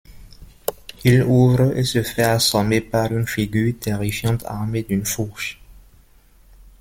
Il ouvre et se fait assommer par une figure terrifiante armée d’une fourche.